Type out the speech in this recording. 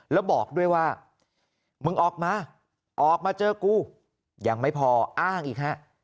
แล้วบอกด้วยว่ามึงออกมาออกมาเจอกูยังไม่พออ้างอีกฮะ